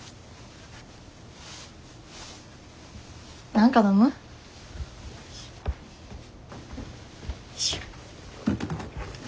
何か飲む？よいしょ。